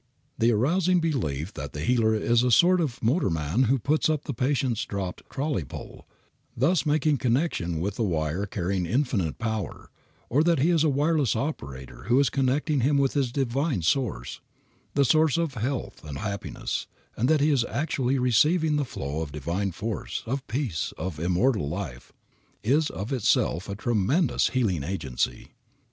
The arousing of the belief that the healer is a sort of motorman who puts up the patient's dropped trolley pole, thus making connection with the wire carrying infinite power; or that he is a wireless operator who is connecting him with his Divine Source, the source of health and happiness, and that he is actually receiving the flow of divine force, of peace, of immortal life, is of itself a tremendous healing agency.